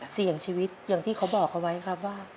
เสี่ยงชีวิตอย่างที่เขาบอกเอาไว้ครับว่า